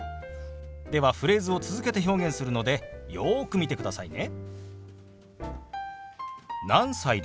ではフレーズを続けて表現するのでよく見てくださいね。